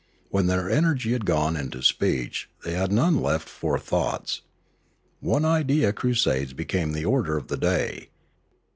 When their energy had gone into speech, they had none left for thoughts. One idea crusades became the order of the day.